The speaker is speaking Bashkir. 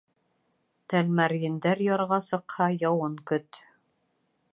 Тәлмәрйендәр ярға сыҡһа, яуын көт.